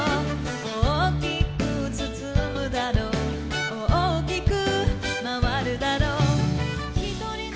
「大きくつつむだろう大きくまわるだろう」